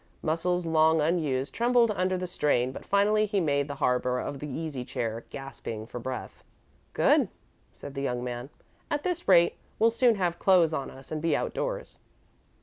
Muscles long unused trembled under the strain but finally he made the harbour of the easy chair, gasping for breath. "Good," said the young man. "At this rate, we'll soon have clothes on us and be outdoors."